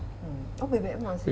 oh bbm maksudnya